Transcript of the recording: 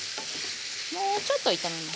もうちょっと炒めましょうか。